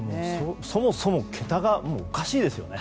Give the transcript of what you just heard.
そもそも桁がおかしいですよね。